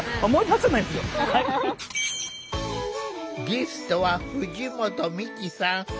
ゲストは藤本美貴さん。